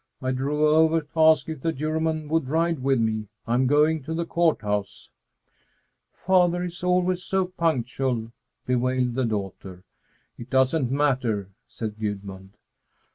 "I drove over to ask if the Juryman would ride with me. I'm going to the Court House." "Father is always so punctual!" bewailed the daughter. "It doesn't matter," said Gudmund.